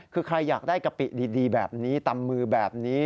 คือใครอยากได้กะปิดีแบบนี้ตำมือแบบนี้